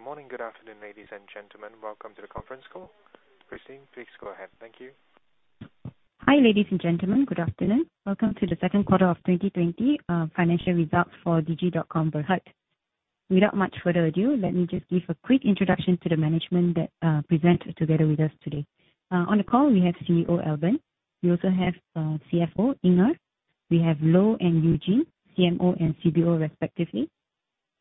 Good morning. Good afternoon, ladies and gentlemen. Welcome to the conference call. Christine, please go ahead. Thank you. Hi, ladies and gentlemen. Good afternoon. Welcome to the second quarter of 2020 financial results for Digi.Com Berhad. Without much further ado, let me just give a quick introduction to the management that presents together with us today. On the call, we have CEO Albern. We also have CFO Inger. We have Loh and Eugene, CMO and CBO respectively.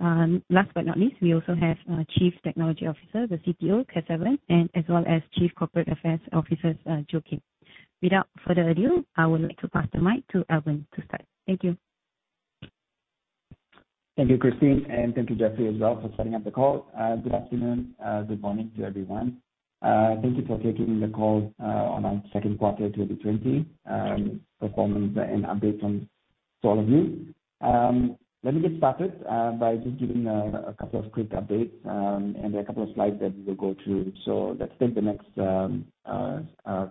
Last but not least, we also have our Chief Technology Officer, the CTO, Kesavan, and as well as Chief Corporate Affairs Officer, Joachim. Without further ado, I would like to pass the mic to Albern to start. Thank you. Thank you, Christine, and thank you Jeffrey as well for setting up the call. Good afternoon. Good morning to everyone. Thank you for taking the call on our second quarter 2020 performance and update from all of you. Let me get started by just giving a couple of quick updates, and there are a couple of slides that we will go through. Let's take the next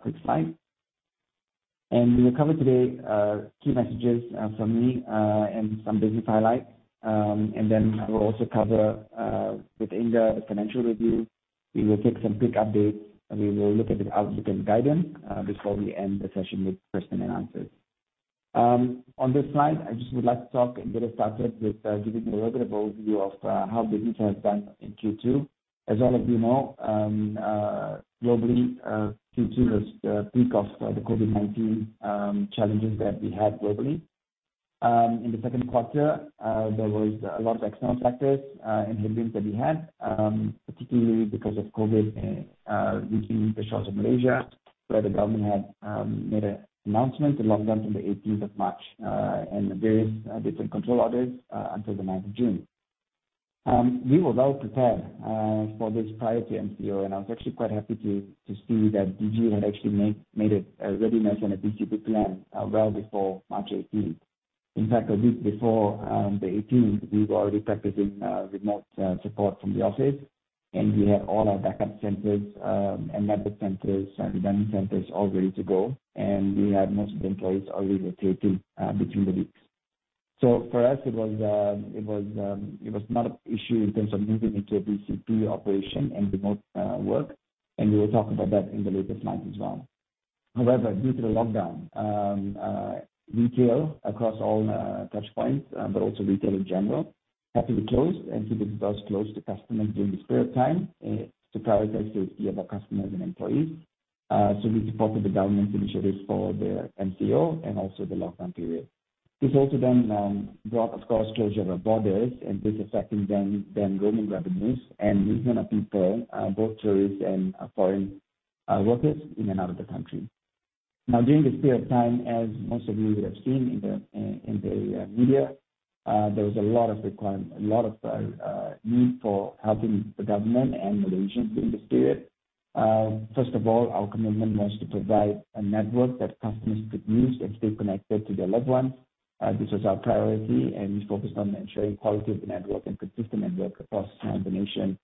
quick slide. We will cover today key messages from me and some business highlights. We'll also cover with Inger the financial review. We will take some quick updates, and we will look at the outlook and guidance before we end the session with question and answers. On this slide, I just would like to talk and get us started with giving you a little bit of overview of how business has done in Q2. As all of you know, globally, Q2 was the peak of the COVID-19 challenges that we had globally. In the second quarter, there was a lot of external factors and headwinds that we had, particularly because of COVID reaching the shores of Malaysia, where the government had made an announcement to lock down from the 18th of March and various different control orders until the 9th of June. We were well-prepared for this prior to MCO, and I was actually quite happy to see that Digi had actually made a readiness and a BCP plan well before March 18th. In fact, a week before the 18th, we were already practicing remote support from the office. We had all our backup centers and network centers and running centers all ready to go. We had most of the employees already rotating between the weeks. For us, it was not an issue in terms of moving into a BCP operation and remote work, and we will talk about that in the later slides as well. Due to the lockdown, retail across all touch points but also retail in general had to be closed, and we did close to customers during this period of time to prioritize the safety of our customers and employees. We supported the government's initiatives for the MCO and also the lockdown period. This also brought, of course, closure of our borders and this affecting then roaming revenues and movement of people both tourists and foreign workers in and out of the country. During this period of time, as most of you would have seen in the media there was a lot of requirement, a lot of need for helping the government and Malaysians during this period. First of all, our commitment was to provide a network that customers could use and stay connected to their loved ones. This was our priority. We focused on ensuring quality of the network and consistent network across the nation.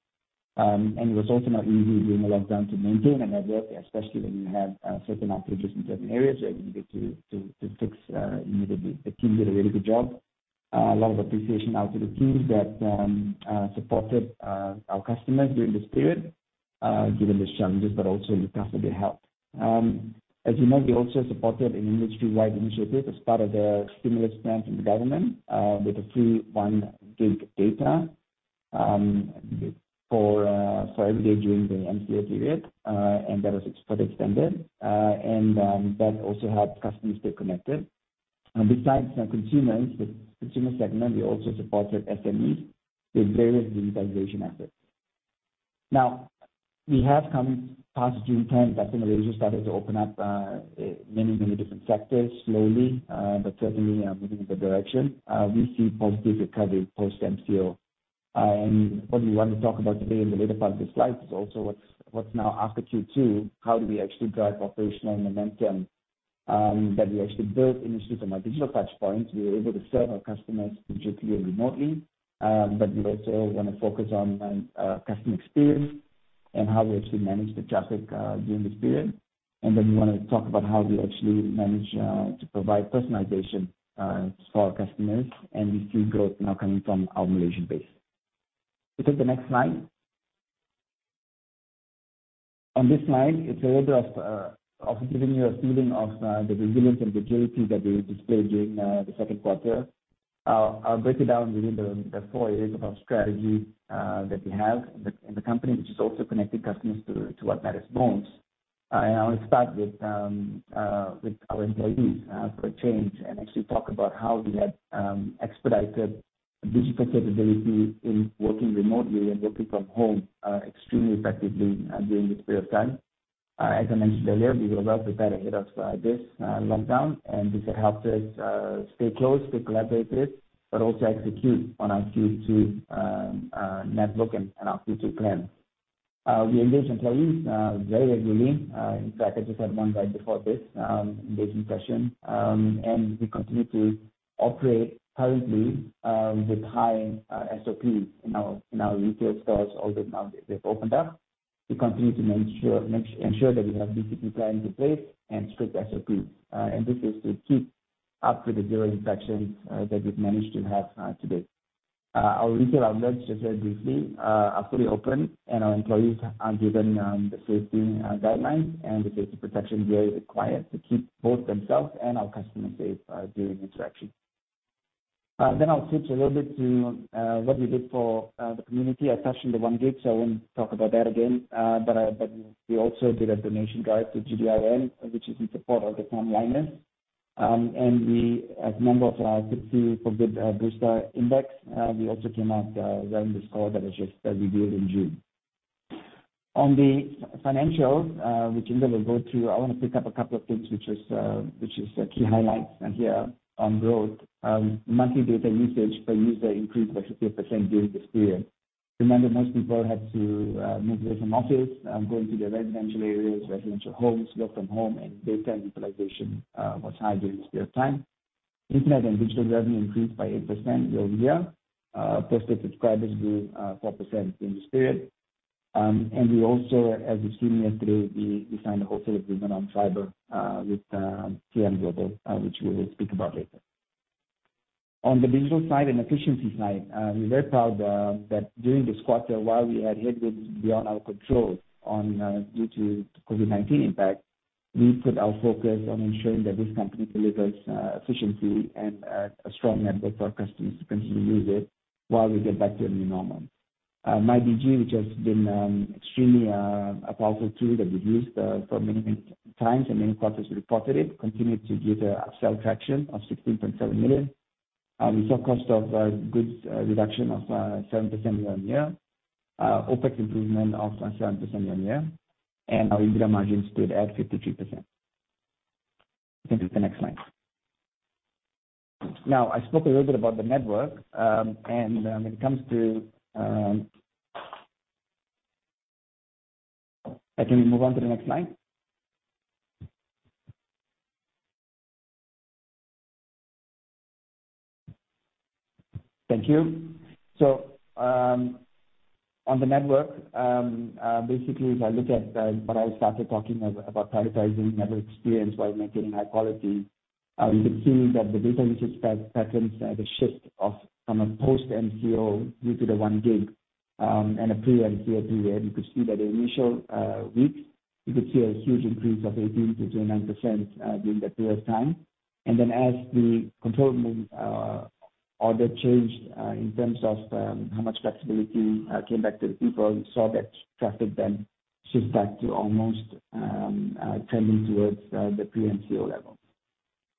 It was also not easy during the lockdown to maintain a network, especially when you have certain outages in certain areas that you needed to fix immediately. The team did a really good job. A lot of appreciation out to the teams that supported our customers during this period given these challenges, but also with customer help. As you know, we also supported an industry-wide initiative as part of the stimulus plan from the government with a free 1 GB data for every day during the MCO period and that was further extended. That also helped customers stay connected. Besides the consumer segment, we also supported SMEs with various digitization efforts. We have come past June 10th as Malaysia started to open up many different sectors slowly but certainly are moving in the direction. We see positive recovery post MCO. What we want to talk about today in the later part of the slide is also what's now after Q2, how do we actually drive operational momentum that we actually built initially from our digital touch points. We were able to serve our customers digitally and remotely we also want to focus on customer experience and how we actually managed the traffic during this period. We want to talk about how we actually managed to provide personalization for our customers and we see growth now coming from our Malaysian base. We take the next slide. On this slide, it's a little bit of giving you a feeling of the resilience and agility that we displayed during the second quarter. I'll break it down within the four areas of our strategy that we have in the company, which is also connecting customers to what matters most. I want to start with our employees for a change and actually talk about how we had expedited digital capability in working remotely and working from home extremely effectively during this period of time. As I mentioned earlier, we were well prepared ahead of this lockdown, and this had helped us stay close, stay collaborative, but also execute on our Q2 network and our future plans. We engage employees very regularly. In fact, I just had one right before this engagement session. We continue to operate currently with high SOP in our retail stores, although now they've opened up. We continue to ensure that we have BCP plans in place and strict SOP. This is to keep up to the zero infections that we've managed to have to date. Our retail outlets, just very briefly, are fully open, and our employees are given the safety guidelines and the safety protection gear required to keep both themselves and our customers safe during interaction. I'll switch a little bit to what we did for the community. I touched on the OneGig, so I won't talk about that again. We also did a donation drive to GDRN, which is in support of the frontliners. We, as members of FTSE4Good Bursa Malaysia Index, we also came out well in the score that was just revealed in June. On the financials, which Inger will go through, I want to pick up a couple of things which is key highlights here on growth. Monthly data usage per user increased by 50% during this period. Remember, most people had to move away from office, going to their residential areas, residential homes, work from home, and data utilization was high during this period of time. Internet and digital revenue increased by 8% year-on-year. Postpaid subscribers grew 4% during this period. We also, as you've seen yesterday, we signed a wholesale agreement on fiber with TM Global, which we will speak about later. On the digital side and efficiency side, we're very proud that during this quarter, while we had headwinds beyond our control due to COVID-19 impact, we put our focus on ensuring that this company delivers efficiency and a strong network for our customers to continue to use it while we get back to a new normal. MyDigi, which has been extremely a powerful tool that we've used for many times and many quarters reported, continued to give sales traction of 16.7 million. We saw cost of goods reduction of 7% year-over-year, OpEx improvement of 7% year-over-year, and our EBITDA margin stood at 53%. You can go to the next slide. Now, I spoke a little bit about the network. Can we move on to the next slide? Thank you. On the network, basically, if I look at what I started talking about, prioritizing network experience while maintaining high quality, you could see that the data usage patterns had a shift from a post-MCO due to the OneGig and a pre-MCO period. You could see that the initial weeks, you could see a huge increase of 18%-29% during that period of time. As the control order changed in terms of how much flexibility came back to the people, you saw that traffic then shift back to almost trending towards the pre-MCO level.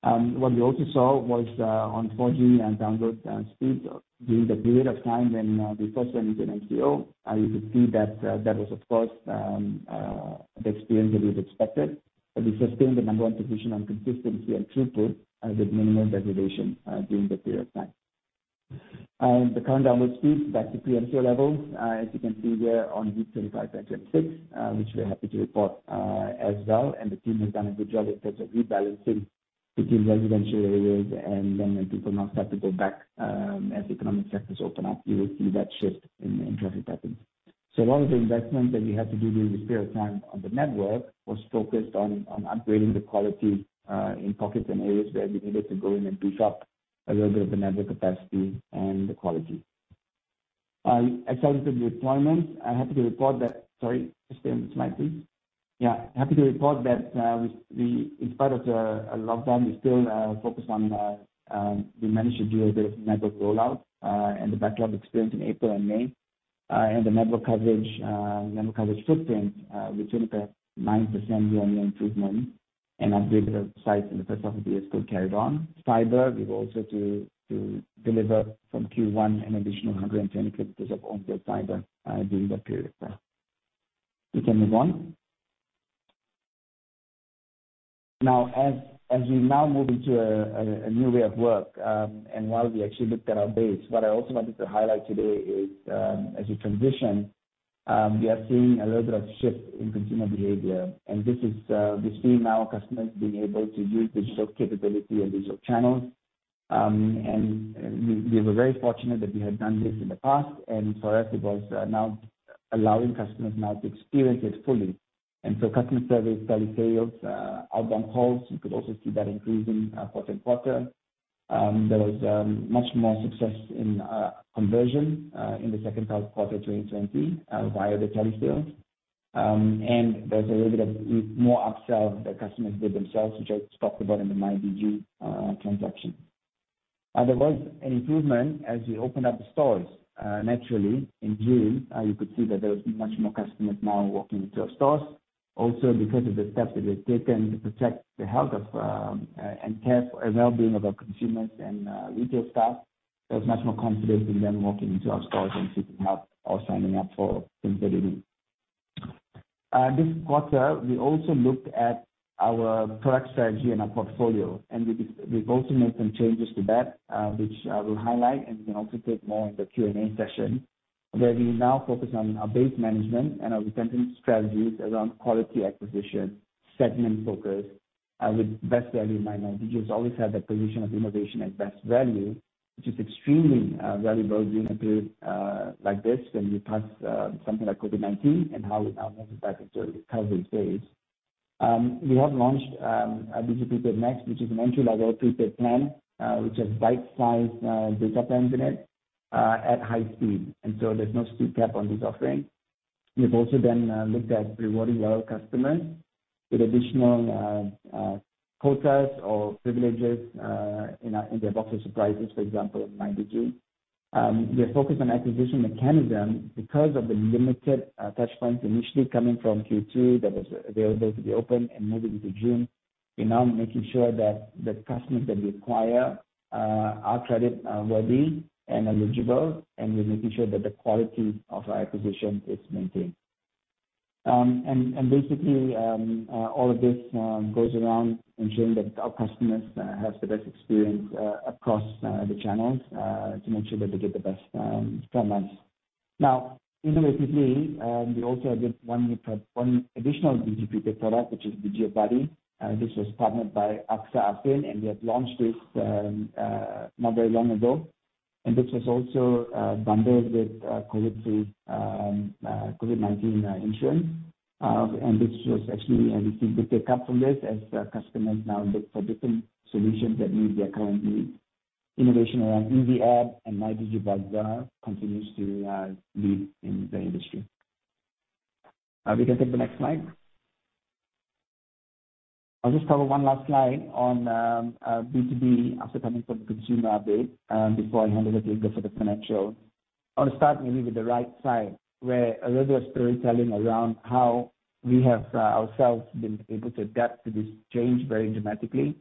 What we also saw was on 4G and download speeds during the period of time when we first went into MCO, you could see that that was of course the experience that we've expected. We sustained the number one position on consistency and throughput with minimal degradation during the period of time. The current download speed is back to pre-MCO levels. As you can see, we're on week 35.6, which we're happy to report as well. The team has done a good job in terms of rebalancing between residential areas and then when people now start to go back, as economic sectors open up, you will see that shift in traffic patterns. A lot of the investment that we had to do during this period of time on the network was focused on upgrading the quality in pockets and areas where we needed to go in and push up a little bit of the network capacity and the quality. As I look at deployment, happy to report that. Sorry, stay on the slide, please. Yeah. Happy to report that in spite of the lockdown, we still managed to do a bit of network rollout and the backlog experienced in April and May. The network coverage footprint returned a 9% year-on-year improvement and upgrade of sites in the first half of the year still carried on. Fiber, we were also to deliver from Q1 an additional 110 km of on-net fiber during that period there. You can move on. As we now move into a new way of work, while we actually looked at our base, what I also wanted to highlight today is, as we transition, we are seeing a little bit of shift in consumer behavior, this is, we're seeing now customers being able to use digital capability and digital channels. We were very fortunate that we had done this in the past, and for us, it was now allowing customers now to experience it fully. Customer service, telesales, outbound calls, you could also see that increase in quarter-on-quarter. There was much more success in conversion in the second quarter of 2020 via the telesales. There was a little bit of more upsell the customers did themselves, which I talked about in the MyDigi transaction. There was an improvement as we opened up the stores. Naturally, in June, you could see that there has been much more customers now walking into our stores. Because of the steps that we have taken to protect the health and care, wellbeing of our consumers and retail staff, there was much more confidence in them walking into our stores and seeking help or signing up for things that they need. This quarter, we also looked at our product strategy and our portfolio, and we've also made some changes to that, which I will highlight and can also take more in the Q&A session, where we now focus on our base management and our retention strategies around quality acquisition, segment focus with best value mind. MyDigi has always had that position of innovation and best value, which is extremely valuable during a period like this when you pass something like COVID-19 and how we now move back into a recovery phase. We have launched Digi Prepaid Max, which is an entry-level prepaid plan, which has bite-sized data plans in it at high speed. There's no speed cap on this offering. We have also then looked at rewarding loyal customers with additional quotas or privileges in their box of surprises, for example, MyDigi. We are focused on acquisition mechanism because of the limited touchpoints initially coming from Q2 that was available to be open and moving into June. We're now making sure that the customers that we acquire are credit-worthy and eligible, and we're making sure that the quality of our acquisition is maintained. Basically, all of this goes around ensuring that our customers have the best experience across the channels to make sure that they get the best from us. Innovatively, we also have one additional Digi prepaid product, which is Digi Abadi. This was partnered by AXA Affin, and we have launched this not very long ago. This was also bundled with COVID-19 insurance. This was actually, we see a good take-up from this as customers now look for different solutions that meet their current needs. Innovation around Easy Add and MyDigi Bazaar continues to lead in the industry. We can take the next slide. I'll just cover one last slide on B2B after coming from consumer update, before I hand over to Inger for the financial. I'll start maybe with the right side, where a little bit of storytelling around how we have ourselves been able to adapt to this change very dramatically.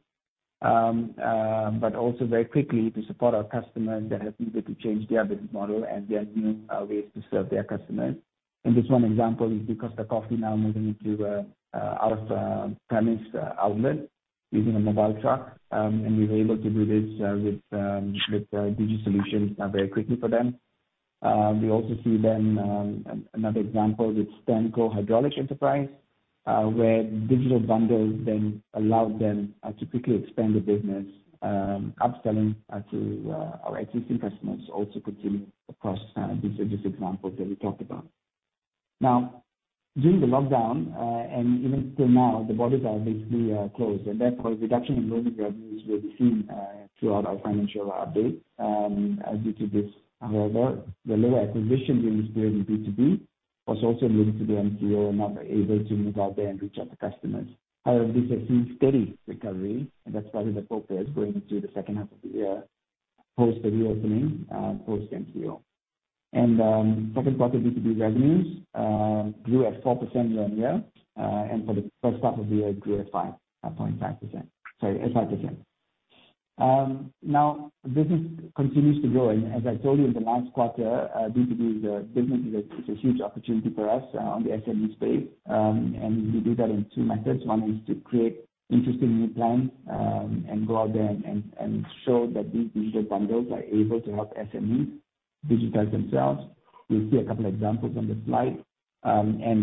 Also very quickly to support our customers that have needed to change their business model and their new ways to serve their customers. This one example is Costa Coffee now moving into out-of-premise outlet using a mobile truck, and we were able to do this with Digi solutions very quickly for them. We also see then another example with Standco Hydraulic Enterprise, where digital bundles then allowed them to quickly expand the business. Up-selling to our existing customers also continued across these examples that we talked about. Now, during the lockdown, and even till now, the borders are basically closed, and therefore, reduction in roaming revenues will be seen throughout our financial update due to this. The lower acquisition during this period in B2B was also linked to the MCO not able to move out there and reach out to customers. This has seen steady recovery, and that's what we hope is going through the second half of the year post the reopening, post MCO. Second quarter B2B revenues grew at 4% year-on-year. For the first half of the year, grew at 5.5%. Sorry, at 5%. Business continues to grow, and as I told you in the last quarter, B2B as a business is a huge opportunity for us on the SME space. We do that in 2 methods. One is to create interesting new plans, and go out there and show that these digital bundles are able to help SMEs digitize themselves. We'll see a couple examples on the slide.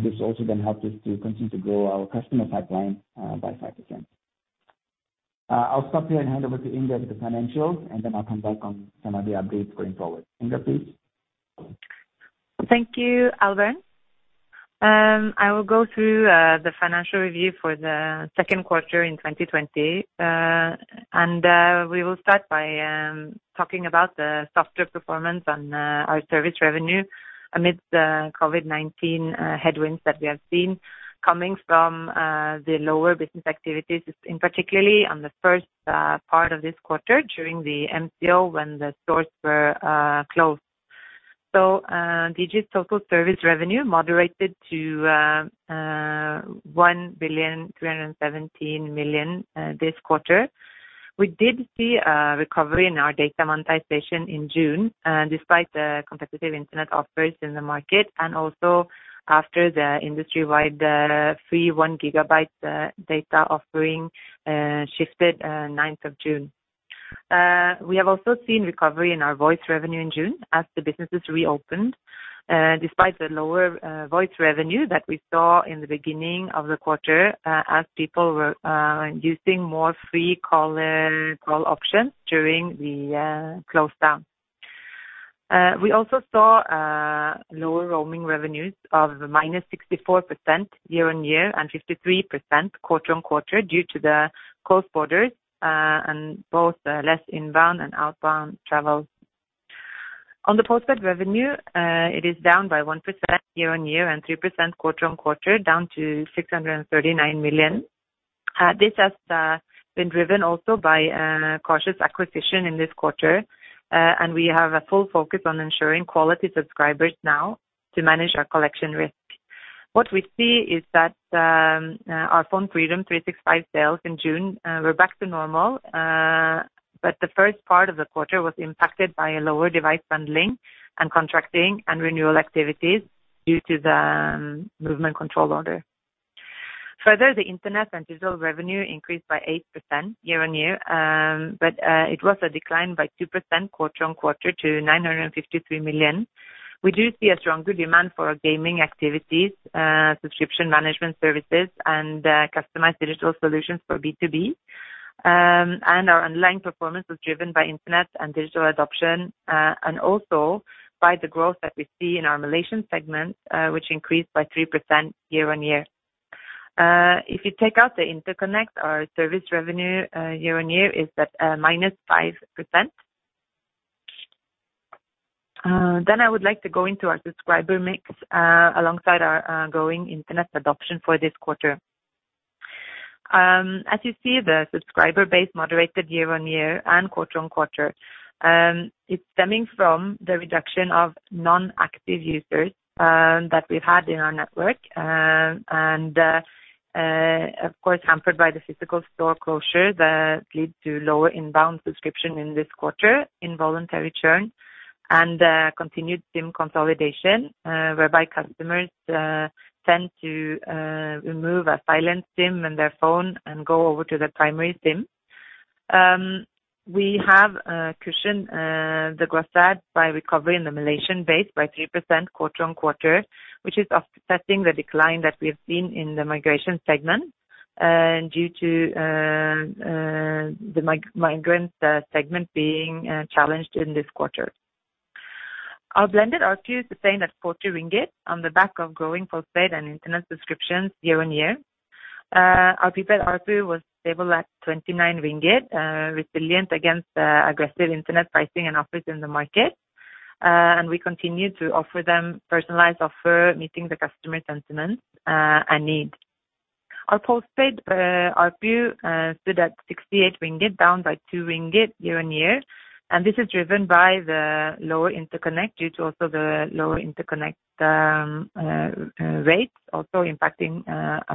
This also then helped us to continue to grow our customer pipeline by 5%. I'll stop here and hand over to Inger with the financials, and then I'll come back on some of the updates going forward. Inger, please. Thank you, Albern. I will go through the financial review for the second quarter in 2020. We will start by talking about the softer performance on our service revenue amidst the COVID-19 headwinds that we have seen coming from the lower business activities, in particularly on the first part of this quarter during the MCO when the stores were closed. Digi's total service revenue moderated to 1.317 billion this quarter. We did see a recovery in our data monetization in June, despite the competitive internet offers in the market, and also after the industry-wide free one gigabyte data offering shifted 9th of June. We have also seen recovery in our voice revenue in June as the businesses reopened, despite the lower voice revenue that we saw in the beginning of the quarter as people were using more free call options during the close down. We also saw lower roaming revenues of -64% year-on-year and 53% quarter-on-quarter due to the closed borders, and both less inbound and outbound travels. On the postpaid revenue, it is down by 1% year-on-year and 3% quarter-on-quarter, down to 639 million. This has been driven also by cautious acquisition in this quarter. We have a full focus on ensuring quality subscribers now to manage our collection risk. What we see is that our PhoneFreedom 365 sales in June were back to normal. The first part of the quarter was impacted by a lower device bundling and contracting and renewal activities due to the movement control order. Further, the internet and digital revenue increased by 8% year-on-year. It was a decline by 2% quarter-on-quarter to 953 million. We do see a stronger demand for our gaming activities, subscription management services, and customized digital solutions for B2B. Our online performance was driven by internet and digital adoption, and also by the growth that we see in our Malaysian segment, which increased by 3% year-on-year. If you take out the interconnect, our service revenue year-on-year is at -5%. I would like to go into our subscriber mix alongside our ongoing internet adoption for this quarter. As you see, the subscriber base moderated year-on-year and quarter-on-quarter. It's stemming from the reduction of non-active users that we've had in our network, and of course, hampered by the physical store closure that lead to lower inbound subscription in this quarter, involuntary churn, and continued SIM consolidation, whereby customers tend to remove a silent SIM in their phone and go over to the primary SIM. We have cushioned the growth rate by recovering the Malaysian base by 3% quarter-on-quarter, which is offsetting the decline that we've seen in the migration segment due to the migrant segment being challenged in this quarter. Our blended ARPU sustained at 40 ringgit on the back of growing postpaid and internet subscriptions year-on-year. Our prepaid ARPU was stable at 29 ringgit, resilient against aggressive internet pricing and offers in the market. We continue to offer them personalized offer, meeting the customer sentiments and need. Our postpaid ARPU stood at 68 ringgit, down by 2 ringgit year-on-year. This is driven by the lower interconnect due to also the lower interconnect rates also impacting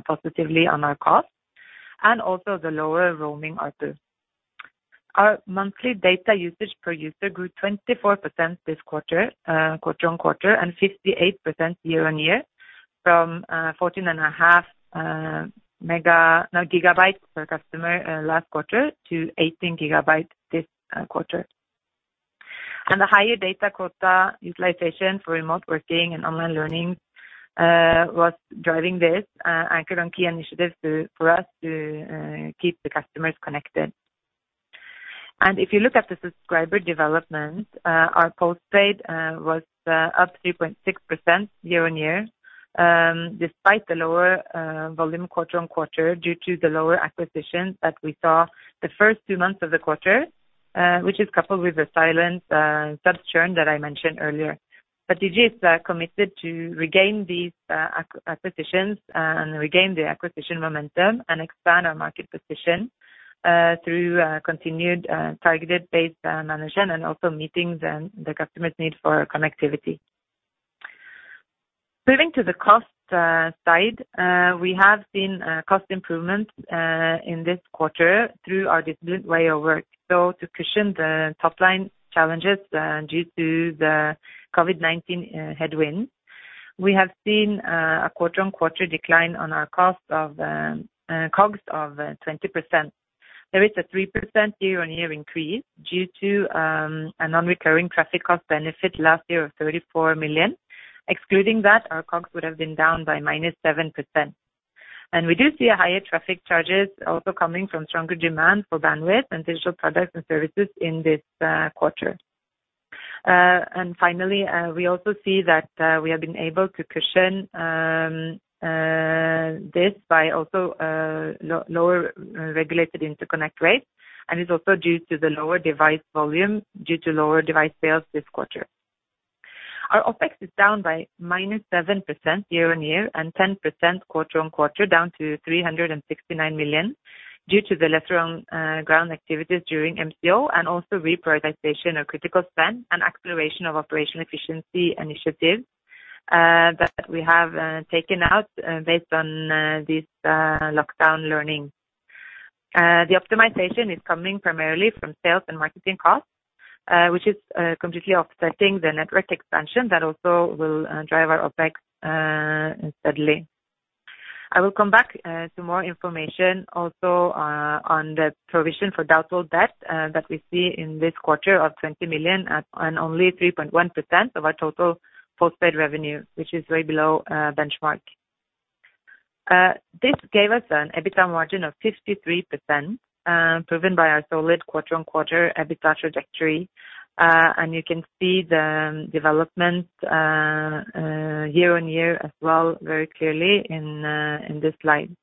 positively on our costs and also the lower roaming ARPU. Our monthly data usage per user grew 24% this quarter-on-quarter, 58% year-on-year from 14.5 gigabytes per customer last quarter to 18 gigabytes this quarter. The higher data quota utilization for remote working and online learning was driving this anchored on key initiatives for us to keep the customers connected. If you look at the subscriber development, our postpaid was up 3.6% year-on-year, despite the lower volume quarter-on-quarter due to the lower acquisitions that we saw the first two months of the quarter, which is coupled with the silent subs churn that I mentioned earlier. Digi is committed to regain these acquisitions and regain the acquisition momentum and expand our market position through continued targeted-based management and also meeting the customer's need for connectivity. Moving to the cost side. We have seen cost improvements in this quarter through our disciplined way of work. To cushion the top-line challenges due to the COVID-19 headwind, we have seen a quarter-on-quarter decline on our COGS of 20%. There is a 3% year-on-year increase due to a non-recurring traffic cost benefit last year of 34 million. Excluding that, our COGS would have been down by -7%. We do see a higher traffic charges also coming from stronger demand for bandwidth and digital products and services in this quarter. Finally, we also see that we have been able to cushion this by also lower regulated interconnect rates and is also due to the lower device volume due to lower device sales this quarter. Our OpEx is down by -7% year-on-year and 10% quarter-on-quarter, down to 369 million due to the lesser on-ground activities during MCO and also reprioritization of critical spend and acceleration of operational efficiency initiatives that we have taken out based on these lockdown learnings. The optimization is coming primarily from sales and marketing costs, which is completely offsetting the network expansion that also will drive our OpEx steadily. I will come back to more information also on the provision for doubtful debt that we see in this quarter of 20 million at an only 3.1% of our total postpaid revenue, which is way below benchmark. This gave us an EBITDA margin of 53%, proven by our solid quarter-on-quarter EBITDA trajectory. You can see the development year-on-year as well very clearly in this slide.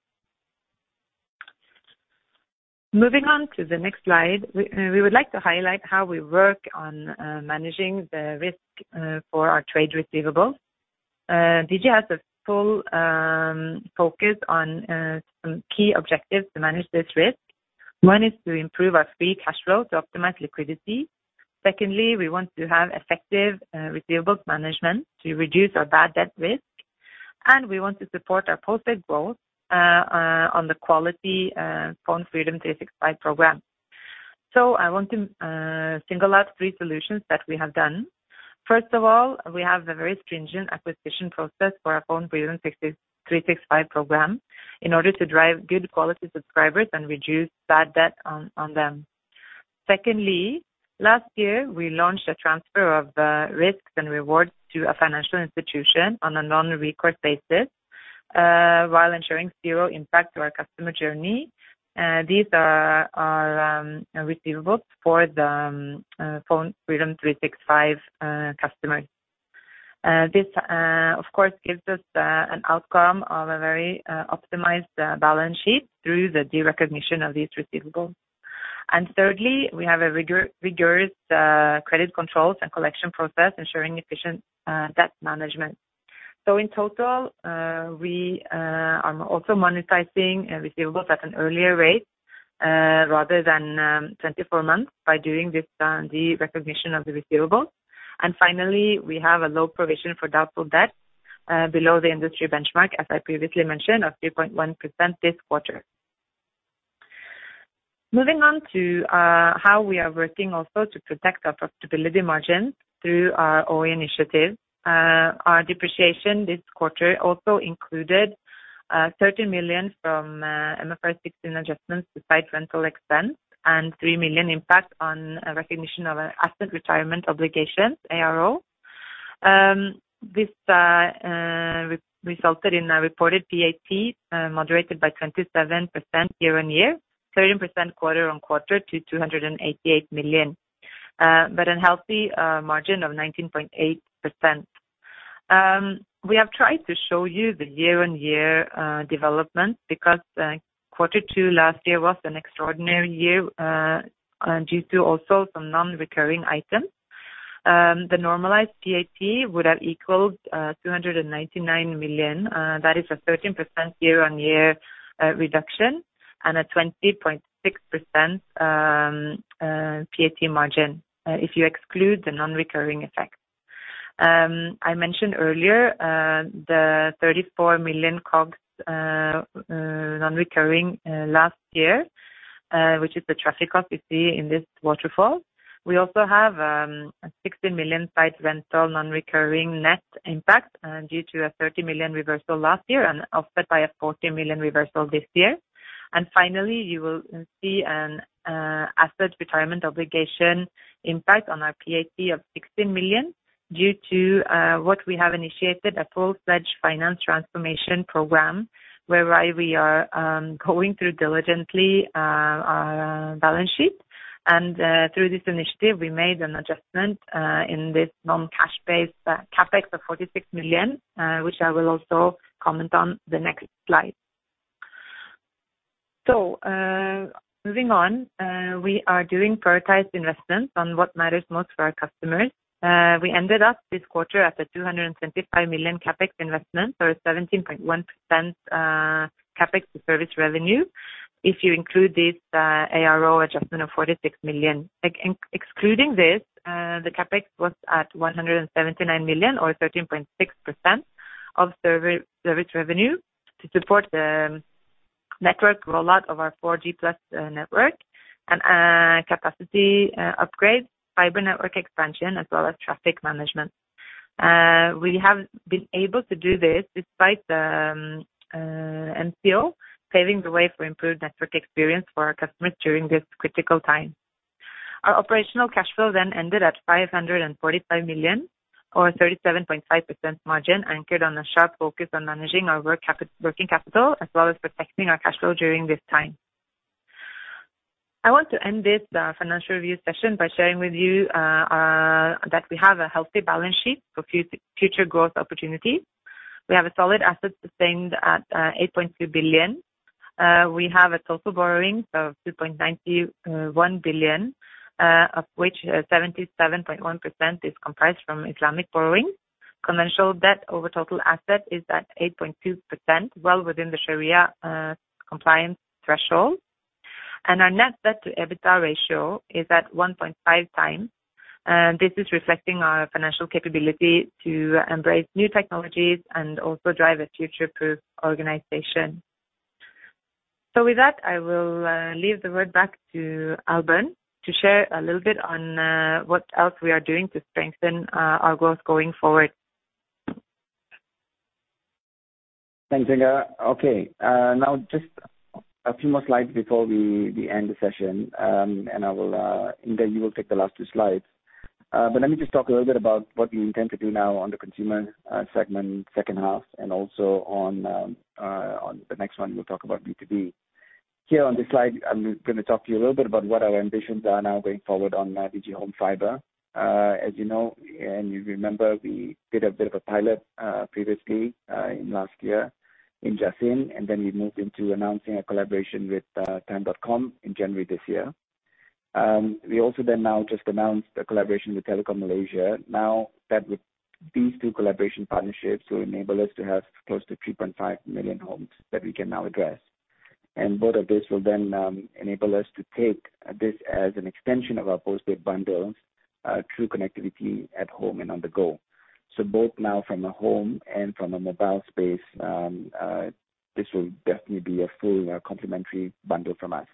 Moving on to the next slide. We would like to highlight how we work on managing the risk for our trade receivables. Digi has a full focus on some key objectives to manage this risk. One is to improve our free cash flow to optimize liquidity. We want to have effective receivables management to reduce our bad debt risk, and we want to support our postpaid growth on the quality PhoneFreedom 365 program. I want to single out three solutions that we have done. First of all, we have a very stringent acquisition process for our PhoneFreedom 365 program in order to drive good quality subscribers and reduce bad debt on them. Last year, we launched a transfer of risks and rewards to a financial institution on a non-recourse basis, while ensuring zero impact to our customer journey. These are receivables for the PhoneFreedom 365 customers. This, of course, gives us an outcome of a very optimized balance sheet through the derecognition of these receivables. Thirdly, we have a rigorous credit controls and collection process ensuring efficient debt management. In total, we are also monetizing receivables at an earlier rate rather than 24 months by doing this derecognition of the receivables. Finally, we have a low provision for doubtful debt below the industry benchmark, as I previously mentioned, of 3.1% this quarter. Moving on to how we are working also to protect our profitability margins through our OE initiative. Our depreciation this quarter also included 30 million from MFRS 16 adjustments to site rental expense and 3 million impact on recognition of our asset retirement obligations, ARO. This resulted in a reported PAT moderated by 27% year-on-year, 13% quarter-on-quarter to 288 million. A healthy margin of 19.8%. We have tried to show you the year-on-year development because quarter 2 last year was an extraordinary year due to also some non-recurring items. The normalized PAT would have equaled 299 million. That is a 13% year-on-year reduction and a 20.6% PAT margin if you exclude the non-recurring effects. I mentioned earlier the 34 million COGS non-recurring last year, which is the traffic up we see in this waterfall. We also have a 16 million site rental non-recurring net impact due to a 30 million reversal last year and offset by a 14 million reversal this year. Finally, you will see an Asset Retirement Obligation impact on our PAT of 16 million due to what we have initiated, a full-fledged finance transformation program whereby we are going through diligently our balance sheet. Through this initiative, we made an adjustment in this non-cash-based CapEx of 46 million, which I will also comment on the next slide. Moving on, we are doing prioritized investments on what matters most for our customers. We ended up this quarter at a 275 million CapEx investment or 17.1% CapEx to service revenue. If you include this ARO adjustment of 46 million. Excluding this, the CapEx was at 179 million or 13.6% of service revenue to support the network rollout of our 4G Plus network and capacity upgrades, fiber network expansion as well as traffic management. We have been able to do this despite the MCO, paving the way for improved network experience for our customers during this critical time. Our operational cash flow ended at 545 million or 37.5% margin anchored on a sharp focus on managing our working capital as well as protecting our cash flow during this time. I want to end this financial review session by sharing with you that we have a healthy balance sheet for future growth opportunities. We have a solid asset sustained at 8.2 billion. We have a total borrowing of 2.91 billion, of which 77.1% is comprised from Islamic borrowing. Commercial debt over total asset is at 8.2%, well within the Sharia compliance threshold. Our net debt to EBITDA ratio is at 1.5 times. This is reflecting our financial capability to embrace new technologies and also drive a future-proof organization. With that, I will leave the word back to Albern to share a little bit on what else we are doing to strengthen our growth going forward. Thanks, Inger. Okay. Just a few more slides before we end the session. Then you will take the last two slides. Let me just talk a little bit about what we intend to do now on the consumer segment second half, and also on the next one, we'll talk about B2B. Here on this slide, I'm going to talk to you a little bit about what our ambitions are now going forward on Digi Home Fibre. As you know and you remember, we did a bit of a pilot previously in last year in Jasin, then we moved into announcing a collaboration with TIME dotCom Berhad in January this year. We also then now just announced a collaboration with Telekom Malaysia. That with these two collaboration partnerships will enable us to have close to 3.5 million homes that we can now address. Both of these will then enable us to take this as an extension of our postpaid bundles through connectivity at home and on the go. Both now from a home and from a mobile space, this will definitely be a full complementary bundle from us.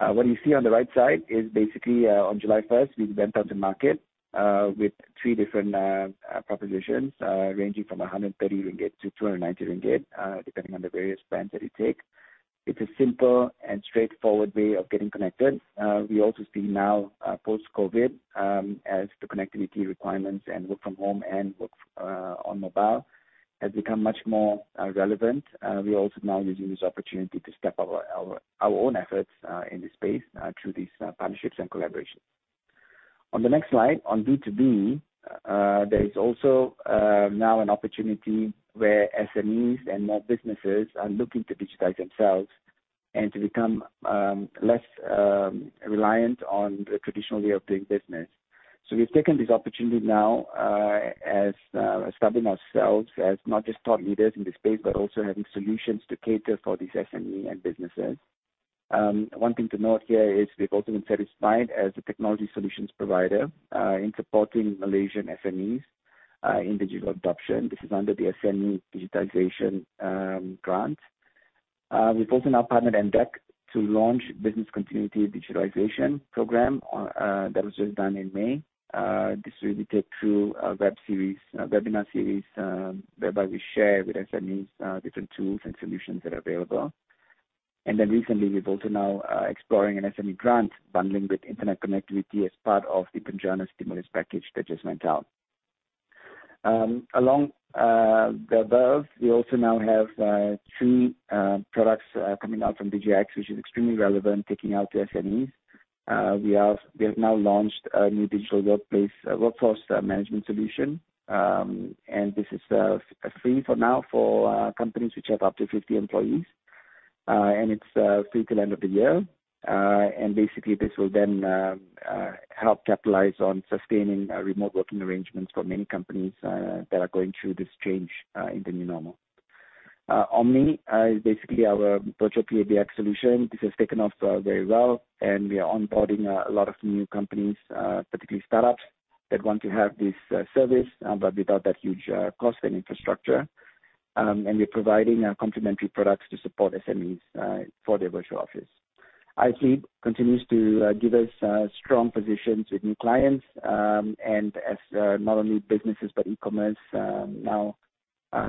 What you see on the right side is basically on July 1st, we went out to market with three different propositions ranging from 130 ringgit to 290 ringgit, depending on the various plans that you take. It's a simple and straightforward way of getting connected. We also see now, post-COVID, as the connectivity requirements and work from home and work on mobile has become much more relevant. We also now using this opportunity to step our own efforts in this space through these partnerships and collaborations. On the next slide, on B2B, there is also now an opportunity where SMEs and more businesses are looking to digitize themselves and to become less reliant on the traditional way of doing business. We've taken this opportunity now as establishing ourselves as not just thought leaders in this space, but also having solutions to cater for these SME and businesses. One thing to note here is we've also been certified as a technology solutions provider, in supporting Malaysian SMEs in digital adoption. This is under the SME Digitalisation Grant. We've also now partnered MDEC to launch business continuity digitalization program that was just done in May. This will be taken through a webinar series, whereby we share with SMEs different tools and solutions that are available. Recently, we've also now exploring an SME grant bundling with internet connectivity as part of the PENJANA stimulus package that just went out. Along the above, we also now have three products coming out from Digi-X, which is extremely relevant, taking out to SMEs. We have now launched a new digital workplace workforce management solution. This is free for now for companies which have up to 50 employees. It's free till end of the year. Basically, this will then help capitalize on sustaining remote working arrangements for many companies that are going through this change in the new normal. Omni is basically our virtual PBX solution. This has taken off very well, and we are onboarding a lot of new companies, particularly startups, that want to have this service, but without that huge cost and infrastructure. We're providing complementary products to support SMEs for their virtual office. iFleet continues to give us strong positions with new clients. As not only businesses but e-commerce now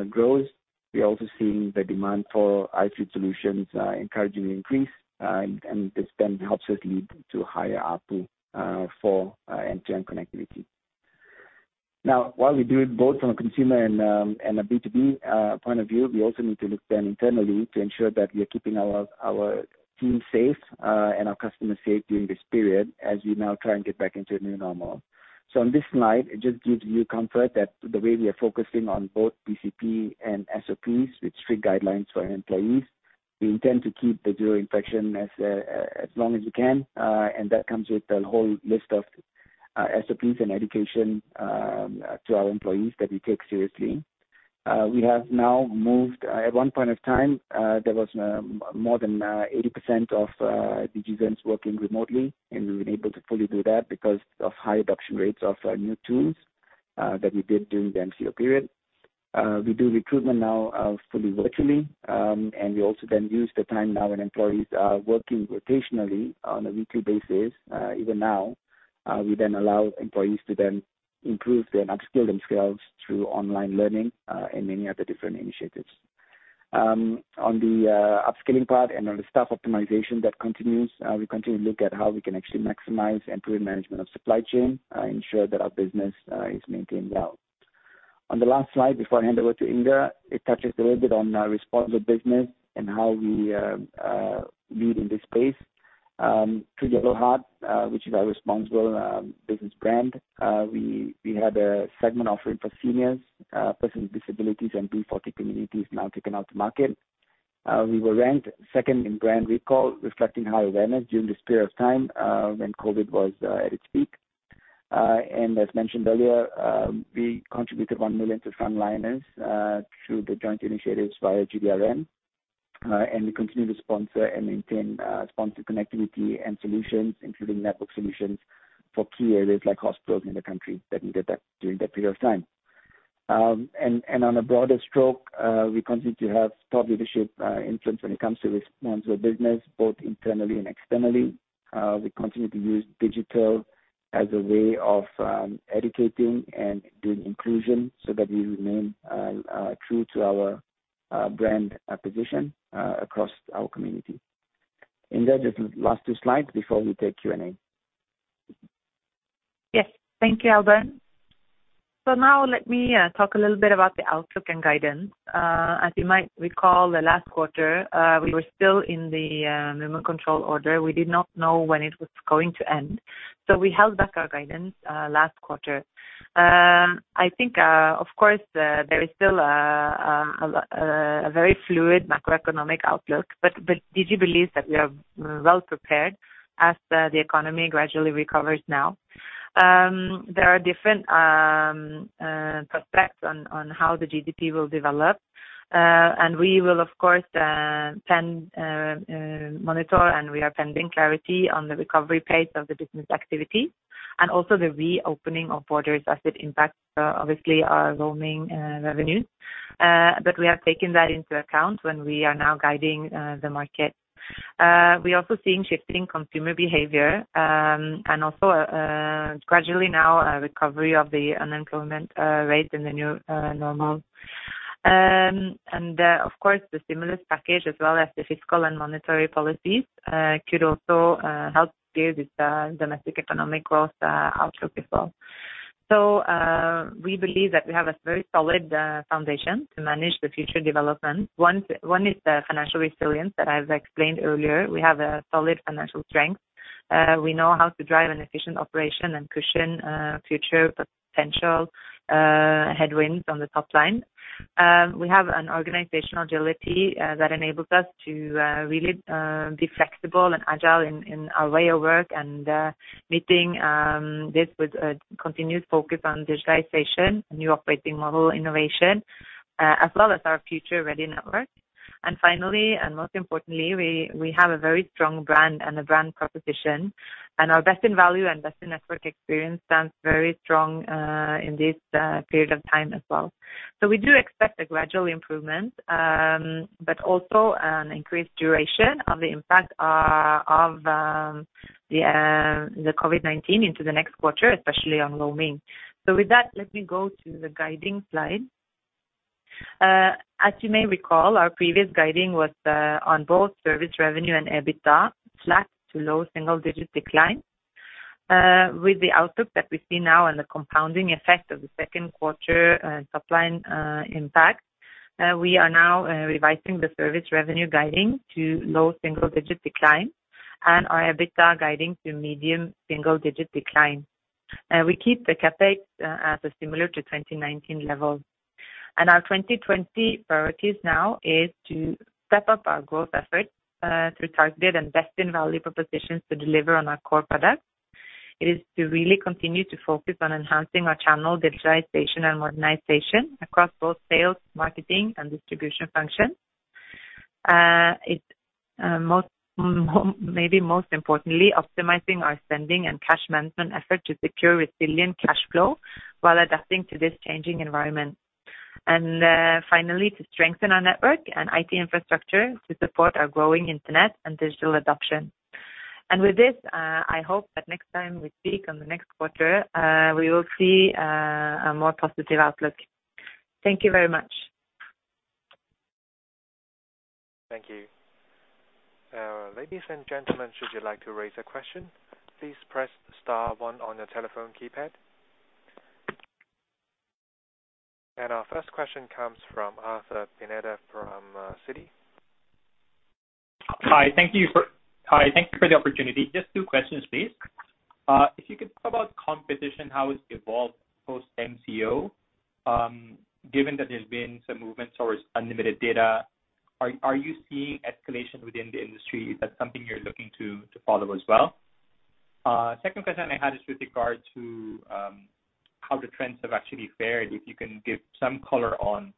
grows, we're also seeing the demand for iFLeet solutions encouraging increase. This then helps us lead to higher ARPU for end-to-end connectivity. Now, while we do it both from a consumer and a B2B point of view, we also need to look then internally to ensure that we are keeping our team safe, and our customers safe during this period, as we now try and get back into a new normal. On this slide, it just gives you comfort that the way we are focusing on both BCP and SOPs with strict guidelines for our employees. We intend to keep the zero infection as long as we can. That comes with a whole list of SOPs and education to our employees that we take seriously. At one point of time, there was more than 80% of Digizens working remotely, and we've been able to fully do that because of high adoption rates of new tools that we did during the MCO period. We do recruitment now fully virtually. We also then use the time now when employees are working rotationally on a weekly basis. Even now, we then allow employees to then improve and upskill themselves through online learning, and many other different initiatives. On the upskilling part and on the staff optimization that continues, we continue to look at how we can actually maximize and improve management of supply chain, ensure that our business is maintained well. On the last slide before I hand over to Inger, it touches a little bit on responsible business and how we lead in this space. Through Yellow Heart, which is our responsible business brand, we had a segment offering for seniors, persons with disabilities, and B40 communities now taken out to market. We were ranked second in brand recall, reflecting high awareness during this period of time when COVID was at its peak. As mentioned earlier, we contributed 1 million to frontliners through the joint initiatives via GGRM. We continue to sponsor and maintain sponsored connectivity and solutions, including network solutions for key areas like hospitals in the country that needed that during that period of time. On a broader stroke, we continue to have thought leadership influence when it comes to responsible business, both internally and externally. We continue to use digital as a way of educating and doing inclusion so that we remain true to our brand position across our community. Inger, just last two slides before we take Q&A. Yes. Thank you, Albern. Now let me talk a little bit about the outlook and guidance. As you might recall, the last quarter, we were still in the Movement Control Order. We did not know when it was going to end. We held back our guidance last quarter. I think, of course, there is still a very fluid macroeconomic outlook. Digi believes that we are well-prepared as the economy gradually recovers now. There are different prospects on how the GDP will develop. We will, of course, monitor and we are pending clarity on the recovery pace of the business activity and also the reopening of borders as it impacts obviously our roaming revenues. We have taken that into account when we are now guiding the market. We're also seeing shifting consumer behavior, and also gradually now a recovery of the unemployment rate in the new normal. Of course, the stimulus package, as well as the fiscal and monetary policies, could also help here with the domestic economic growth outlook as well. We believe that we have a very solid foundation to manage the future development. One is the financial resilience that I've explained earlier. We have a solid financial strength. We know how to drive an efficient operation and cushion future potential headwinds on the top line. We have an organizational agility that enables us to really be flexible and agile in our way of work and meeting this with a continued focus on digitization, new operating model innovation, as well as our future-ready network. Finally, and most importantly, we have a very strong brand and a brand proposition, and our best-in-value and best-in-network experience stands very strong in this period of time as well. We do expect a gradual improvement, but also an increased duration of the impact of the COVID-19 into the next quarter, especially on roaming. With that, let me go to the guiding slide. As you may recall, our previous guiding was on both service revenue and EBITDA, flat to low single-digit decline. With the outlook that we see now and the compounding effect of the second quarter top line impact, we are now revising the service revenue guiding to low single-digit decline and our EBITDA guiding to medium single-digit decline. We keep the CapEx as similar to 2019 levels. Our 2020 priorities now is to step up our growth efforts through targeted and best-in-value propositions to deliver on our core products. It is to really continue to focus on enhancing our channel digitization and modernization across both sales, marketing, and distribution functions. Maybe most importantly, optimizing our spending and cash management effort to secure resilient cash flow while adapting to this changing environment. Finally, to strengthen our network and IT infrastructure to support our growing internet and digital adoption. With this, I hope that next time we speak on the next quarter, we will see a more positive outlook. Thank you very much. Thank you. Ladies and gentlemen, should you like to raise a question, please press star one on your telephone keypad. Our first question comes from Arthur Pineda from Citi. Hi. Thank you for the opportunity. Just two questions, please. If you could talk about competition, how it's evolved post MCO, given that there's been some movement towards unlimited data. Are you seeing escalation within the industry? Is that something you're looking to follow as well? Second question I had is with regard to how the trends have actually fared. If you can give some color on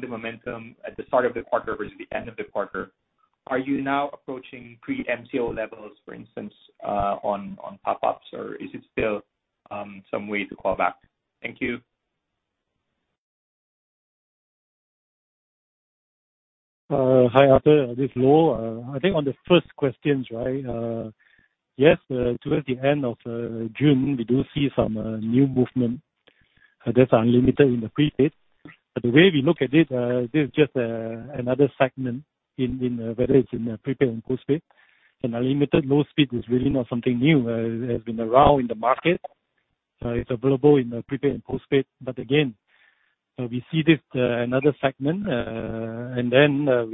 the momentum at the start of the quarter versus the end of the quarter. Are you now approaching pre-MCO levels, for instance, on top ups, or is it still some way to claw back? Thank you. Hi, Arthur. This is Loh. I think on the first questions, yes, towards the end of June, we do see some new movement that's unlimited in the prepaid. The way we look at it, this is just another segment, whether it's in the prepaid and postpaid. Unlimited low speed is really not something new. It has been around in the market. It's available in the prepaid and postpaid. Again, we see this another segment, and then as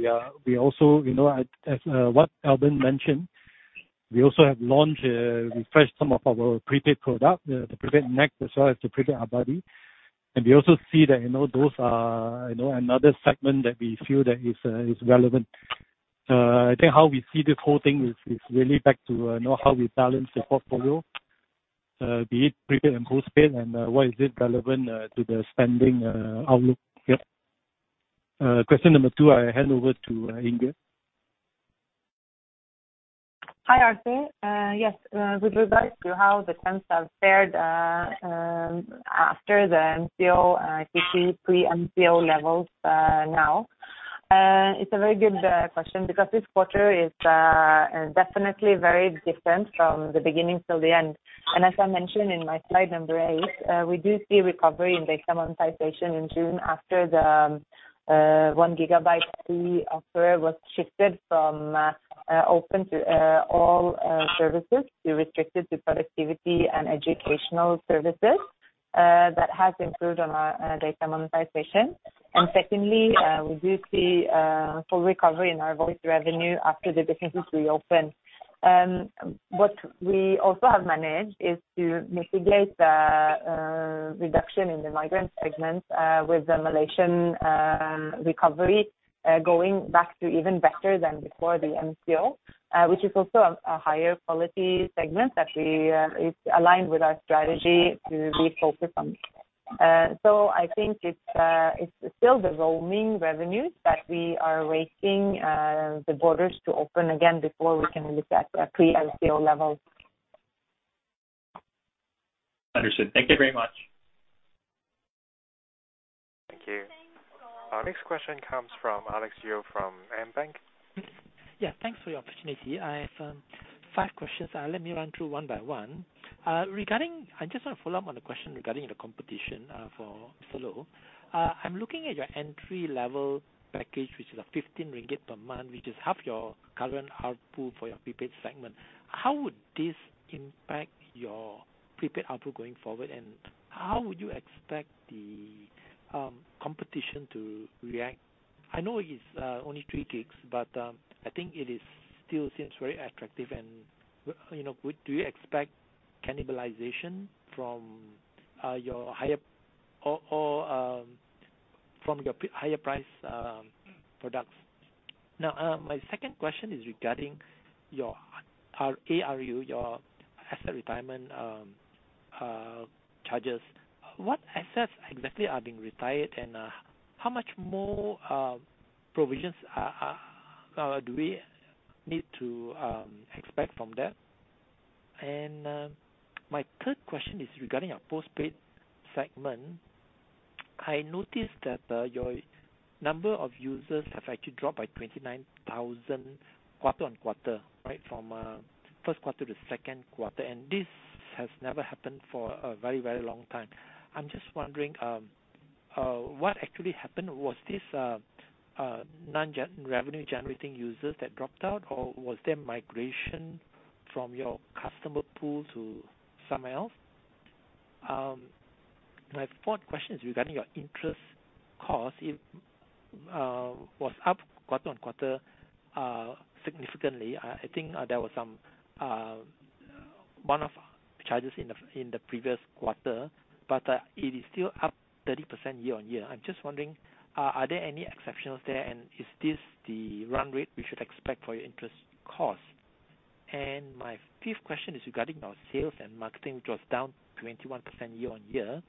what Albern mentioned, we also have launched, refreshed some of our prepaid product, the Prepaid NEXT, as well as the Prepaid Abadi. We also see that those are another segment that we feel that is relevant. I think how we see this whole thing is really back to how we balance the portfolio, be it prepaid and postpaid, and why is it relevant to the spending outlook. Yeah. Question number two, I hand over to Ingrid. Hi, Arthur. Yes. With regards to how the trends have fared after the MCO, I think the pre-MCO levels now. It's a very good question because this quarter is definitely very different from the beginning till the end. As I mentioned in my slide number eight, we do see recovery in data monetization in June after the one gigabyte free offer was shifted from open to all services to restricted to productivity and educational services. That has improved on our data monetization. Secondly, we do see a full recovery in our voice revenue after the businesses reopen. What we also have managed is to mitigate the reduction in the migrant segment with the Malaysian recovery going back to even better than before the MCO. Which is also a higher quality segment that is aligned with our strategy to refocus on. I think it's still the roaming revenues that we are waiting the borders to open again before we can look at pre-MCO levels. Understood. Thank you very much. Our next question comes from Alex Yeo from AmBank. Yeah, thanks for the opportunity. I have five questions. Let me run through one by one. I just want to follow up on the question regarding the competition for flow. I'm looking at your entry-level package, which is 15 ringgit per month, which is half your current ARPU for your prepaid segment. How would this impact your prepaid ARPU going forward, and how would you expect the competition to react? I know it is only three gigs, but I think it still seems very attractive. Do you expect cannibalization from your higher-priced products? Now, my second question is regarding your ARO, your asset retirement charges. What assets exactly are being retired, and how much more provisions do we need to expect from that? My third question is regarding your postpaid segment. I noticed that your number of users have actually dropped by 29,000 quarter-on-quarter, right? From first quarter to second quarter, this has never happened for a very long time. I'm just wondering, what actually happened? Was this non-revenue-generating users that dropped out, or was there migration from your customer pool to somewhere else? My fourth question is regarding your interest cost. It was up quarter-on-quarter significantly. I think there was one-off charges in the previous quarter, but it is still up 30% year-on-year. I'm just wondering, are there any exceptionals there and is this the run rate we should expect for your interest cost? My fifth question is regarding your Sales and Marketing, which was down 21% year-on-year.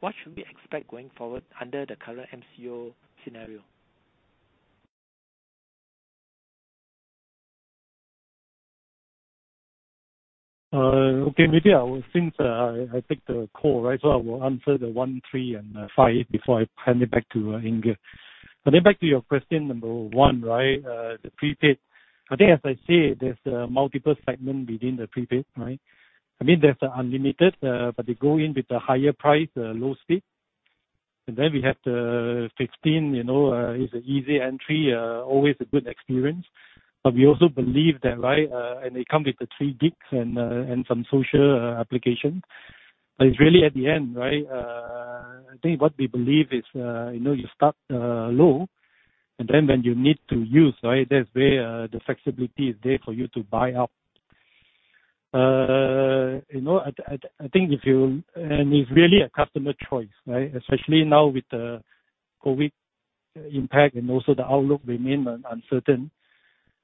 What should we expect going forward under the current MCO scenario? Okay. Maybe since I take the call, right? I will answer the 1, 3, and 5 before I hand it back to Inge. Back to your question number 1, right? The prepaid. I think as I said, there's multiple segments within the prepaid, right? I mean, there's the unlimited but they go in with the higher price, low speed. We have the 15, it's an easy entry, always a good experience. We also believe that, right? It comes with the three gigs and some social application. It's really at the end, right? I think what we believe is you start low, and then when you need to use, right? That's where the flexibility is there for you to buy up. I think it's really a customer choice, right? Especially now with the COVID-19 impact and also the outlook remains uncertain.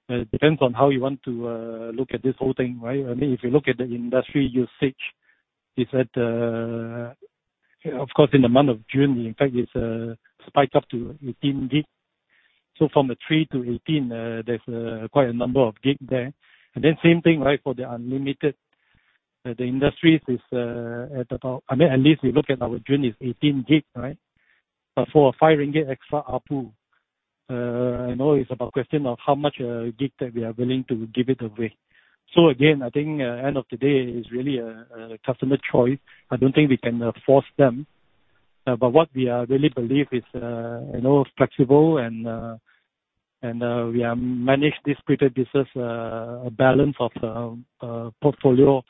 It depends on how you want to look at this whole thing, right. I mean, if you look at the industry usage, of course, in the month of June, in fact, it spiked up to 18 gigs. From a three to 18, there's quite a number of gigs there. Same thing, right. For the unlimited. The industry is at about, I mean, at least we look at our June is 18 gigs, right. For a 5 ringgit extra ARPU, it's about a question of how much gig that we are willing to give it away. Again, I think at the end of the day, it's really a customer choice. I don't think we can force them. What we really believe is flexible and we manage this prepaid business, a balance of portfolio,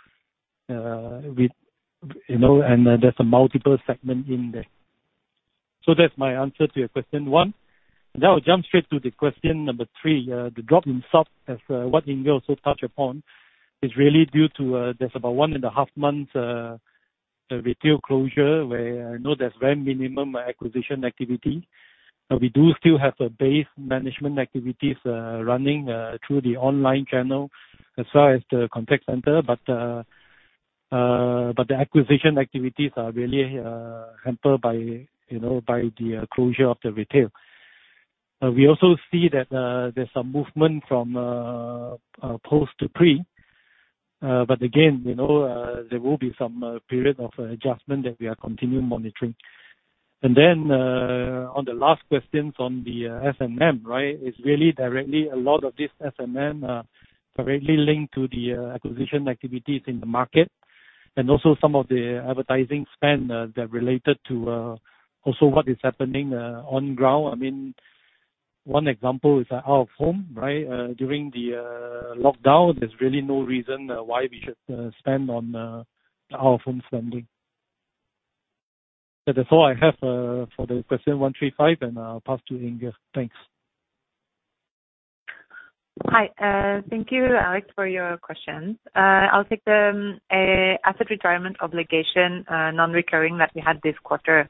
and there's a multiple segment in there. That's my answer to your question one. I'll jump straight to the question number three. The drop in subs as what Inger also touched upon is really due to there's about one and a half months retail closure, where I know there's very minimum acquisition activity. We do still have base management activities running through the online channel as well as the contact center. The acquisition activities are really hampered by the closure of the retail. We also see that there's some movement from post to pre. Again, there will be some period of adjustment that we are continuing monitoring. Then, on the last question on the S&M, right. Is really directly a lot of this S&M directly linked to the acquisition activities in the market and also some of the advertising spend that related to also what is happening on ground. I mean, one example is out-of-home, right? During the lockdown, there's really no reason why we should spend on out-of-home spending. That's all I have for the question one, three, five, and I'll pass to Inger. Thanks. Hi. Thank you, Alex, for your questions. I will take the asset retirement obligation, non-recurring that we had this quarter.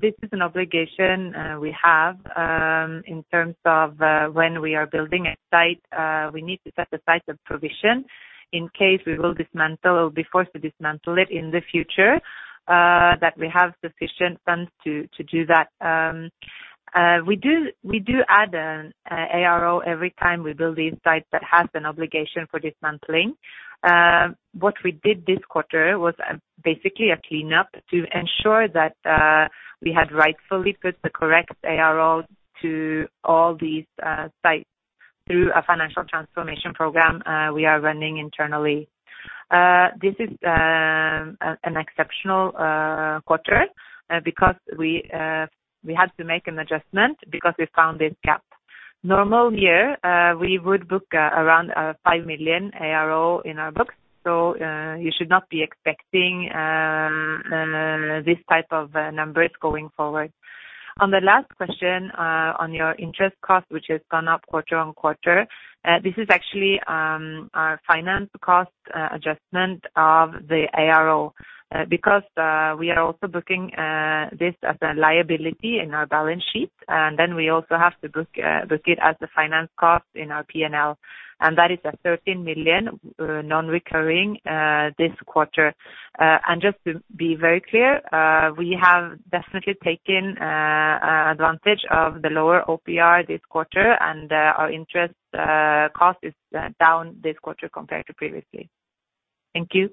This is an obligation we have in terms of when we are building a site. We need to set aside a provision in case we will dismantle or be forced to dismantle it in the future, that we have sufficient funds to do that. We do add an ARO every time we build these sites that have an obligation for dismantling. What we did this quarter was basically a cleanup to ensure that we had rightfully put the correct AROs to all these sites through a financial transformation program we are running internally. This is an exceptional quarter because we had to make an adjustment because we found this gap. Normal year, we would book around 5 million ARO in our books. You should not be expecting these type of numbers going forward. On the last question, on your interest cost, which has gone up quarter-on-quarter, this is actually our finance cost adjustment of the ARO. We are also booking this as a liability in our balance sheet, and then we also have to book it as a finance cost in our P&L. That is a 13 million non-recurring this quarter. Just to be very clear, we have definitely taken advantage of the lower OPR this quarter and our interest cost is down this quarter compared to previously. Thank you.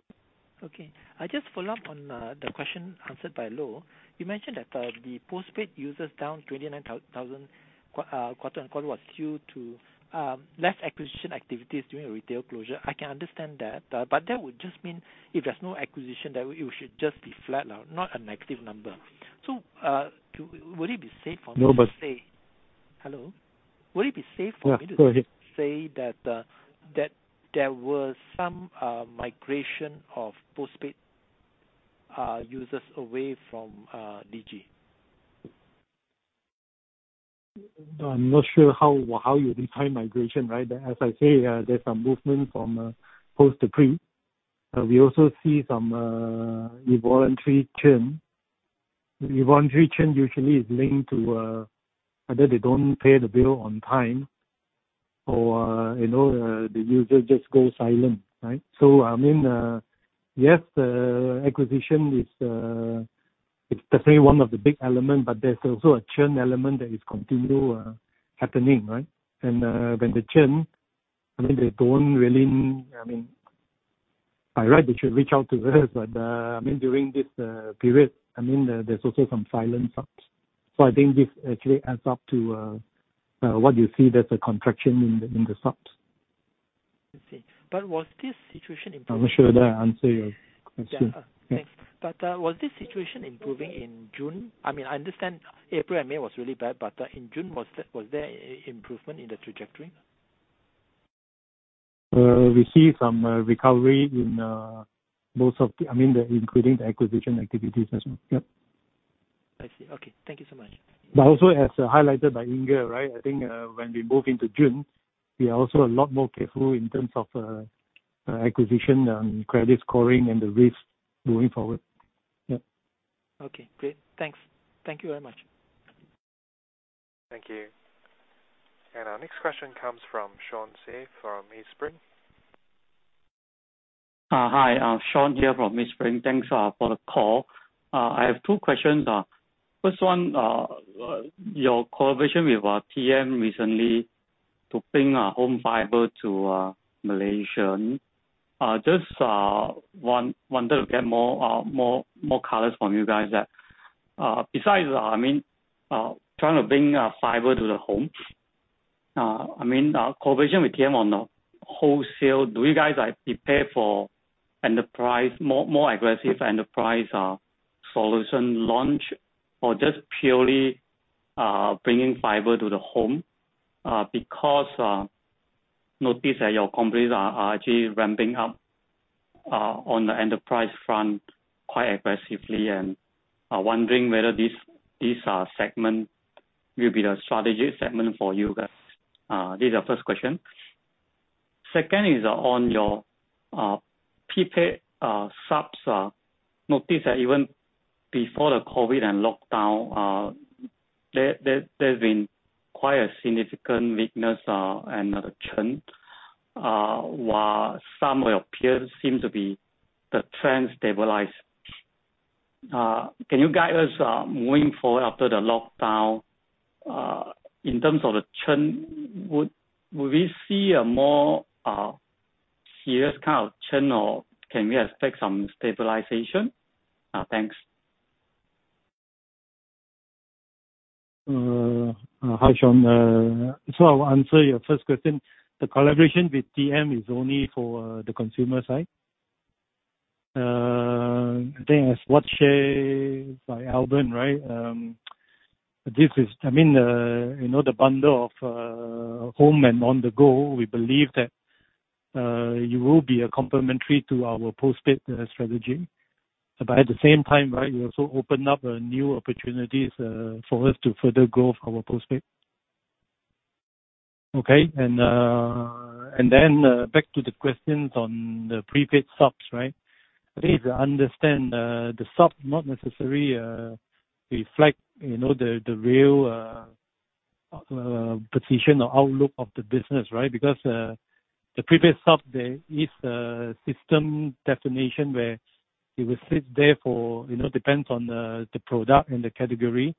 Okay. I just follow up on the question answered by Loh. You mentioned that the postpaid users down 29,000 quarter-on-quarter was due to less acquisition activities during a retail closure. I can understand that would just mean if there's no acquisition, that it should just be flat now, not a negative number. Would it be safe for me to say? No, but- Hello. Yeah, go ahead. say that there was some migration of postpaid users away from Digi? I'm not sure how you define migration, right? As I say, there's some movement from post to pre. We also see some involuntary churn. Involuntary churn usually is linked to either they don't pay the bill on time or the user just goes silent, right? Yes, acquisition is definitely one of the big element, but there's also a churn element that is continual happening, right? When they churn, by right, they should reach out to us. During this period, there's also some silent subs. I think this actually adds up to what you see there's a contraction in the subs. I see. Was this situation improving? I'm not sure whether I answer your question? Yeah. Thanks. Was this situation improving in June? I understand April and May was really bad, but in June, was there improvement in the trajectory? We see some recovery including the acquisition activities as well. Yep. I see. Okay. Thank you so much. Also as highlighted by Inge, right? I think when we move into June, we are also a lot more careful in terms of acquisition and credit scoring and the risk moving forward. Yep. Okay, great. Thanks. Thank you very much. Thank you. Our next question comes from Sean Say from Maybank. Hi, Sean here from Maybank. Thanks for the call. I have two questions. First one, your collaboration with TM recently to bring home Fibre to Malaysia. Just wanted to get more colors from you guys. Besides trying to bring Fibre to the home, collaboration with TM on the wholesale, do you guys prepare for more aggressive enterprise solution launch or just purely bringing Fibre to the home? Notice that your companies are actually ramping up on the enterprise front quite aggressively and wondering whether this segment will be the strategic segment for you guys. This is the first question. Second is on your prepaid subs. Notice that even before the COVID and lockdown, there's been quite a significant weakness and the churn, while some of your peers seems to be the trend stabilize. Can you guide us moving forward after the lockdown, in terms of the churn, would we see a more serious kind of churn, or can we expect some stabilization? Thanks. Hi, Sean. I will answer your first question. The collaboration with TM is only for the consumer side. I think as what said by Albern, the bundle of home and on the go, we believe that it will be a complementary to our postpaid strategy. At the same time, we also open up new opportunities for us to further grow our postpaid. Back to the questions on the prepaid subs, please understand the sub not necessarily reflect the real position or outlook of the business. Because the prepaid subs, there is a system destination where it will sit there for, depends on the product and the category,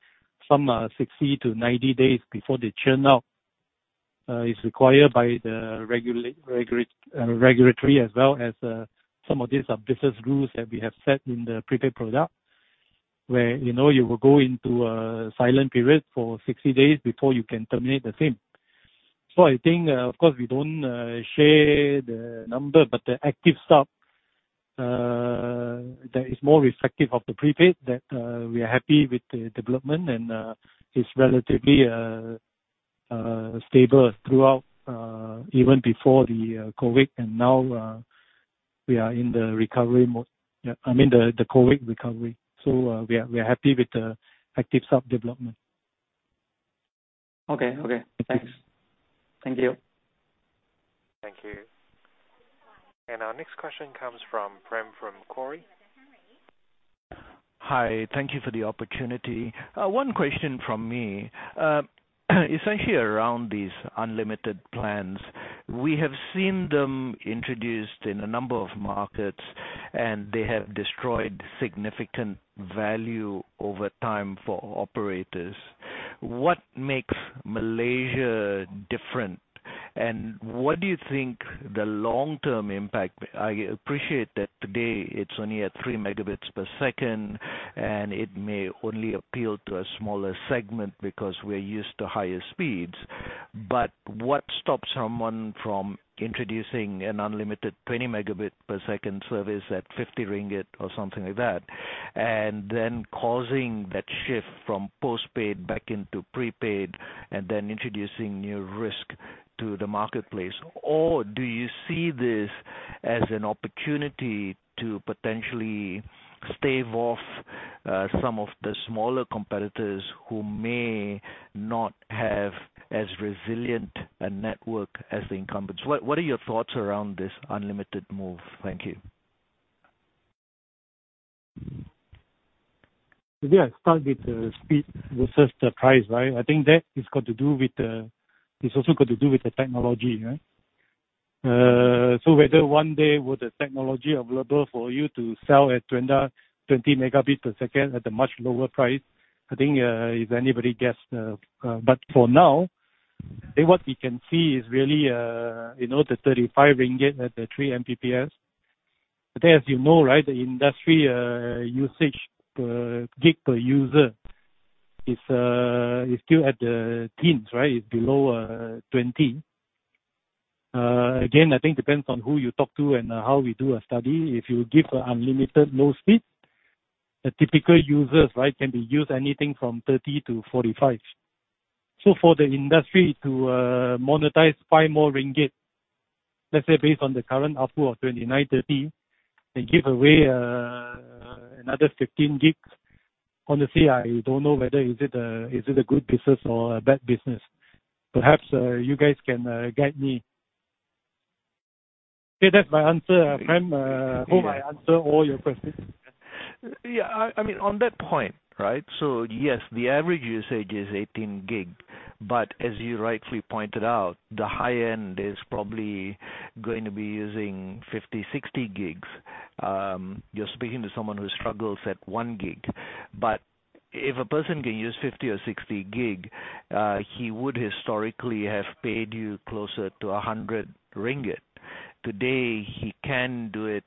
from 60 to 90 days before they churn out. It's required by the regulatory as well as some of these are business rules that we have set in the prepaid product, where you will go into a silent period for 60 days before you can terminate the SIM. I think, of course, we don't share the number, but the active subs, that is more reflective of the prepaid that we are happy with the development, and it's relatively stable throughout, even before the COVID and now we are in the recovery mode. Yeah, I mean the COVID recovery. We are happy with the active sub development. Okay. Thanks. Thank you. Thank you. Our next question comes from Prem from Cowry. Hi. Thank you for the opportunity. One question from me, essentially around these unlimited plans. We have seen them introduced in a number of markets. They have destroyed significant value over time for operators. What makes Malaysia different? What do you think the long-term impact? I appreciate that today it's only at three megabits per second, and it may only appeal to a smaller segment because we're used to higher speeds. What stops someone from introducing an unlimited 20 megabit per second service at 50 ringgit or something like that, and then causing that shift from postpaid back into prepaid, and then introducing new risk to the marketplace? Do you see this as an opportunity to potentially stave off some of the smaller competitors who may not have as resilient a network as the incumbents? What are your thoughts around this unlimited move? Thank you. Today, I start with the speed versus the price, right? I think that is also got to do with the technology, right? Whether one day with the technology available for you to sell at 20 megabits per second at a much lower price, I think if anybody guessed But for now, today what we can see is really the 35 ringgit at the three Mbps. Today, as you know, right, the industry usage per gig per user is still at the teens, right? It's below 20. Again, I think it depends on who you talk to and how we do a study. If you give unlimited, no speed, the typical users can use anything from 30 to 45. For the industry to monetize five more MYR, let's say based on the current ARPU of 29.30, they give away another 15 gigs. Honestly, I don't know whether is it a good business or a bad business. Perhaps you guys can guide me. Okay, that's my answer, Prem. Hope I answered all your questions. Yeah. On that point, right, yes, the average usage is 18 GB, but as you rightly pointed out, the high end is probably going to be using 50, 60 GB. You're speaking to someone who struggles at one GB. If a person can use 50 or 60 GB, he would historically have paid you closer to 100 ringgit. Today, he can do it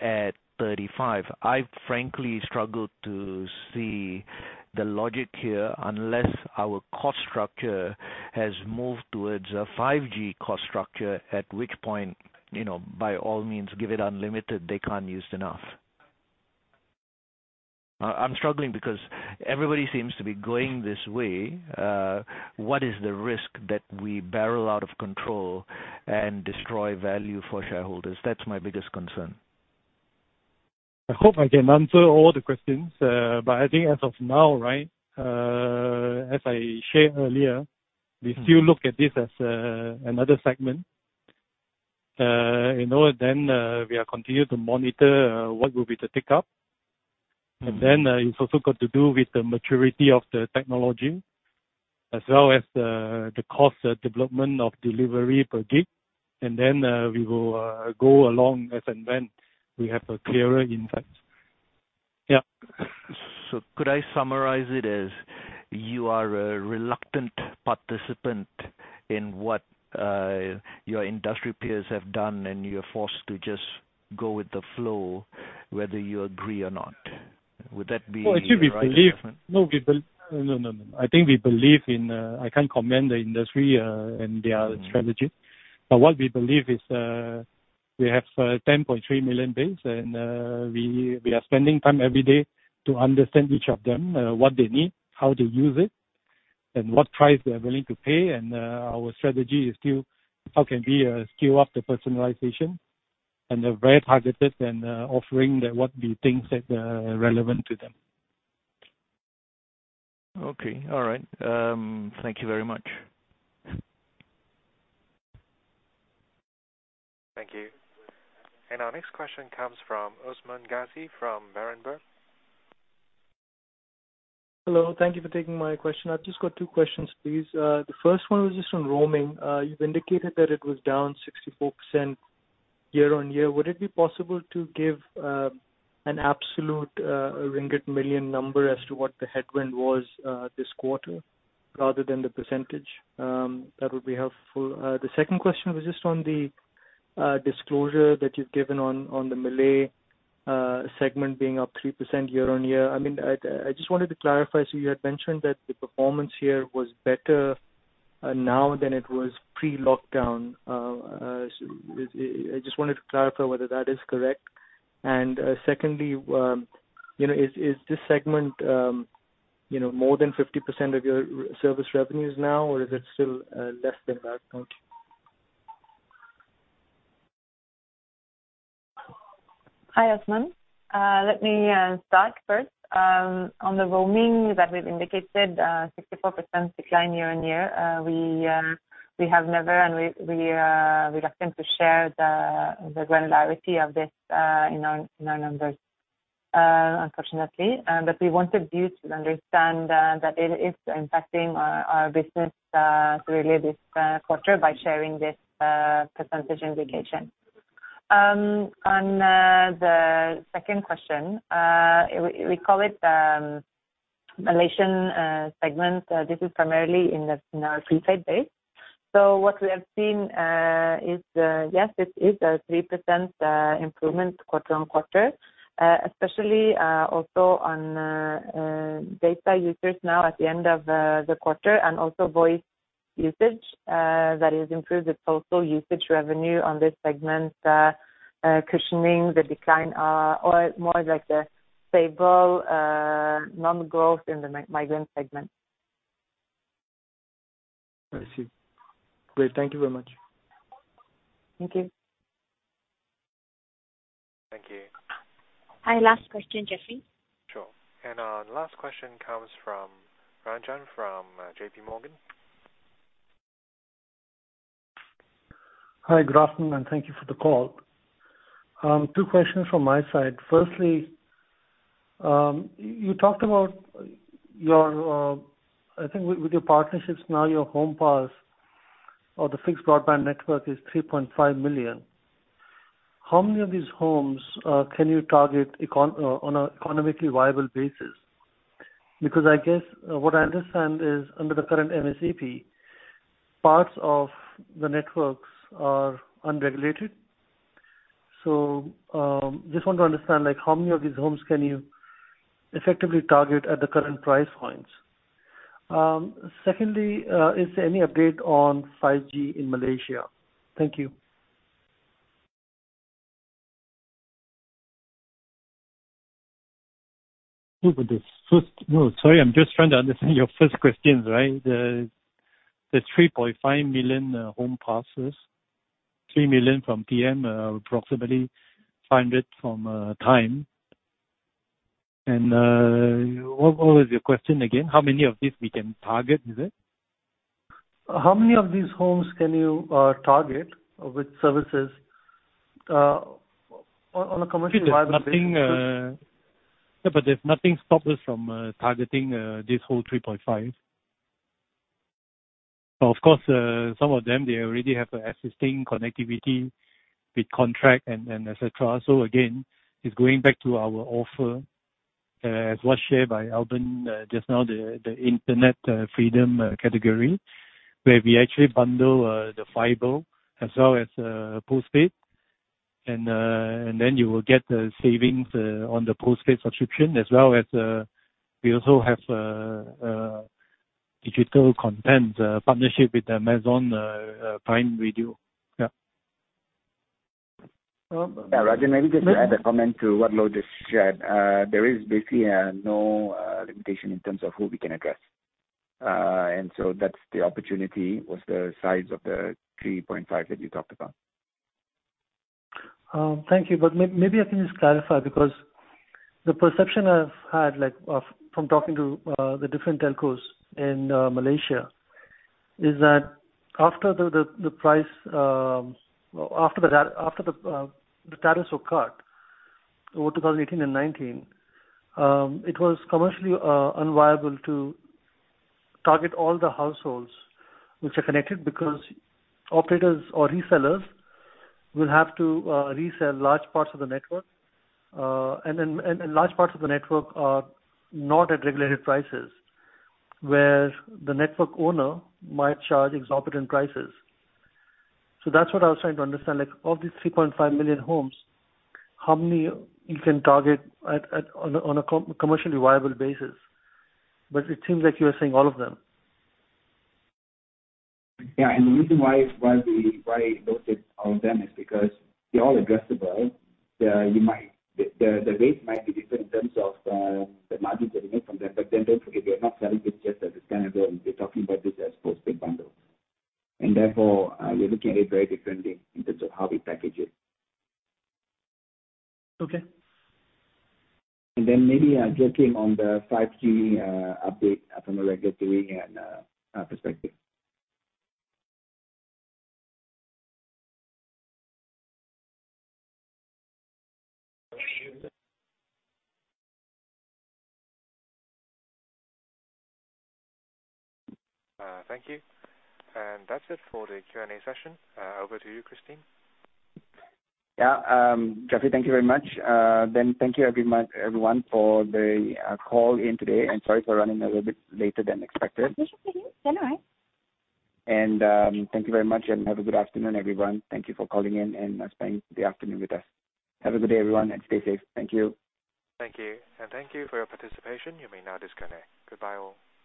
at 35. I've frankly struggled to see the logic here unless our cost structure has moved towards a 5G cost structure, at which point, by all means, give it unlimited, they can't use enough. I'm struggling because everybody seems to be going this way. What is the risk that we barrel out of control and destroy value for shareholders? That's my biggest concern. I hope I can answer all the questions. I think as of now, right, as I shared earlier, we still look at this as another segment. We continue to monitor what will be the take-up. It's also got to do with the maturity of the technology as well as the cost development of delivery per gig. We will go along as and when we have a clearer insight. Yeah. Could I summarize it as you are a reluctant participant in what your industry peers have done, and you're forced to just go with the flow whether you agree or not? Would that be? Well, actually, we believe- a right assessment? No. I can't comment the industry and their strategies. What we believe is, we have 10.3 million base, and we are spending time every day to understand each of them, what they need, how to use it, and what price they are willing to pay. Our strategy is still how can we scale up the personalization and are very targeted in offering what we think that relevant to them. Okay. All right. Thank you very much. Thank you. Our next question comes from Usman Ghazi from Berenberg. Hello. Thank you for taking my question. I've just got two questions, please. The first one was just on roaming. You've indicated that it was down 64% year-on-year. Would it be possible to give an absolute ringgit million number as to what the headwind was this quarter rather than the percentage? That would be helpful. The second question was just on the disclosure that you've given on the Malay segment being up 3% year-on-year. I just wanted to clarify, you had mentioned that the performance here was better now than it was pre-lockdown. I just wanted to clarify whether that is correct. Secondly, is this segment more than 50% of your service revenues now, or is it still less than that point? Hi, Usman. Let me start first. On the roaming that we've indicated, 64% decline year-on-year. We are reluctant to share the granularity of this in our numbers, unfortunately. We wanted you to understand that it is impacting our business really this quarter by sharing this percentage indication. On the second question, we call it Malaysian segment. This is primarily in our prepaid base. What we have seen is, yes, it is a 3% improvement quarter-on-quarter, especially also on data users now at the end of the quarter and also voice usage that has improved the total usage revenue on this segment, cushioning the decline or more like the stable non-growth in the migrant segment. I see. Great. Thank you very much. Thank you. Thank you. Hi, last question, Jeffrey. Sure. Our last question comes from Ranjan from JP Morgan. Hi, good afternoon, and thank you for the call. Two questions from my side. Firstly, you talked about, I think with your partnerships now, your home pass or the fixed broadband network is 3.5 million. How many of these homes can you target on a economically viable basis? Because I guess what I understand is, under the current MSAP, parts of the networks are unregulated. Just want to understand how many of these homes can you effectively target at the current price points? Secondly, is there any update on 5G in Malaysia? Thank you. Sorry, I'm just trying to understand your first question. The 3.5 million home passes, 3 million from TM, approximately 500 from TIME. What was your question again? How many of these we can target, is it? How many of these homes can you target with services on a commercially viable basis? There's nothing stopping us from targeting this whole 3.5. Of course, some of them, they already have existing connectivity with contract etc. Again, it's going back to our offer as was shared by Albern just now, the Internet Freedom category, where we actually bundle the Fibre as well as postpaid. You will get the savings on the postpaid subscription as well as we also have digital content partnership with Amazon Prime Video. Yeah. Ranjan, maybe just to add a comment to what Loh just shared. There is basically no limitation in terms of who we can address. That's the opportunity was the size of the 3.5 that you talked about. Thank you. Maybe I can just clarify, because the perception I've had from talking to the different telcos in Malaysia is that after the tariffs were cut over 2018 and 2019, it was commercially unviable to target all the households which are connected because operators or resellers will have to resell large parts of the network. Large parts of the network are not at regulated prices, where the network owner might charge exorbitant prices. That's what I was trying to understand, of these 3.5 million homes, how many you can target on a commercially viable basis. It seems like you are saying all of them. Yeah. The reason why I noted all of them is because they're all addressable. The rate might be different in terms of the margins that we make from them. Don't forget, we are not selling this just as a standalone. We're talking about this as postpaid bundle. Therefore, we're looking at it very differently in terms of how we package it. Okay. Maybe, Joachim Rajaram on the 5G update from a regulatory perspective. Thank you. That's it for the Q&A session. Over to you, Christine. Yeah. Jeffrey, thank you very much. Thank you everyone for the call in today, and sorry for running a little bit later than expected. Yes. It's okay. It's all right. Thank you very much and have a good afternoon, everyone. Thank you for calling in and spending the afternoon with us. Have a good day, everyone, and stay safe. Thank you. Thank you. Thank you for your participation. You may now disconnect. Goodbye, all.